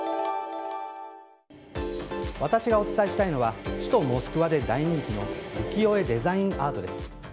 私がお伝えしたいのは首都モスクワで大人気の浮世絵デザインアートです。